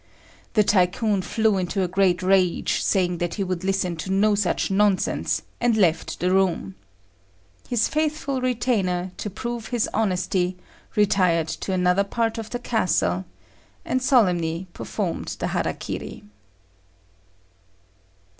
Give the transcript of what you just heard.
The Tycoon flew into a great rage, saying that he would listen to no such nonsense, and left the room. His faithful retainer, to prove his honesty, retired to another part of the castle, and solemnly performed the _hara kiri.